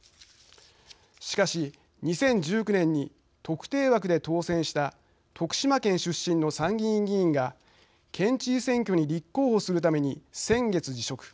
しかし２０１９年に特定枠で当選した徳島県出身の参議院議員が県知事選挙に立候補するために先月辞職。